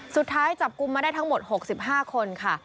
สุดท้ายจับกลุ่มมาได้ทั้งหมด๖๕คนค่ะ